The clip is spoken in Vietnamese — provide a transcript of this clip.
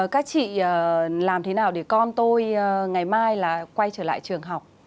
các chị làm thế nào để con tôi ngày mai là quay trở lại trường học